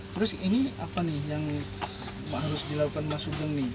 terus ini apa nih yang harus dilakukan mas sugeng nih